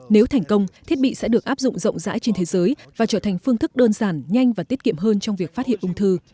nếu thành công thiết bị sẽ được áp dụng rộng rãi trên thế giới và trở thành phương thức đơn giản nhanh và tiết kiệm hơn trong việc phát hiện ung thư